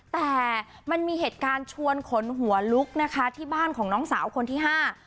แต่มันมีเหตุการณ์ชวนขนหัวลุกนะคะที่บ้านของน้องสาวคนที่ห้า